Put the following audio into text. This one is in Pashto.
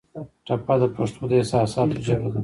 ټپه د پښتو د احساساتو ژبه ده.